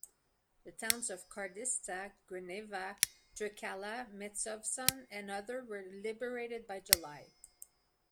The towns of Karditsa, Grevena, Trikkala, Metsovon and others were liberated by July.